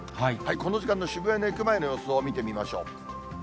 この時間の渋谷の駅前の様子を見てみましょう。